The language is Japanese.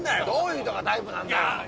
どういう人がタイプなんだよ。